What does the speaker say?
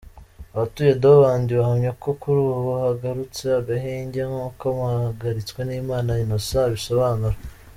Abatuye “Dobandi” bahamya ko kuri ubu hagarutse agahenge; nkuko Mpagaritswenimana Innocent abisobanura.